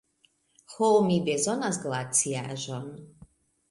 Ho, mi bezonas glaciaĵon.